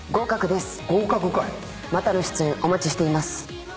またの出演お待ちしています。